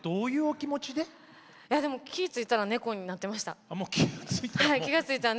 気が付いたら「猫」になってました。